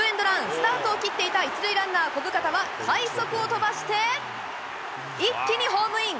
スタートを切っていた１塁ランナー、小深田は快足を飛ばして一気にホームイン。